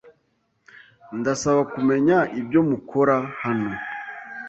Ndasaba kumenya ibyo mukora hano.